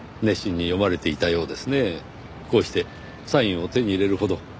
こうしてサインを手に入れるほど。